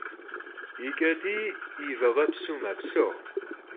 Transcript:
Yi ç'et'iy yi vakhepsu mepseu.